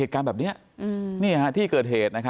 ครับปีที่๑